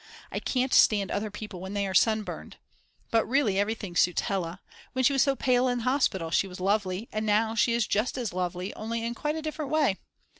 I can't stand other people when they are sun burned. But really everything suits Hella; when she was so pale in hospital, she was lovely; and now she is just as lovely, only in quite a different way.